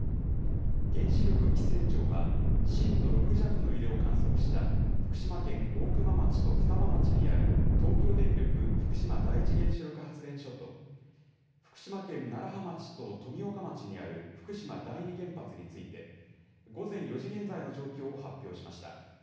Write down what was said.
原子力規制庁は震度６弱の揺れを観測した福島県大熊町と双葉町にある東京電力福島第一原子力発電所と福島県楢葉町と富岡町にある福島第二原発について午前４時現在の状況を発表しました。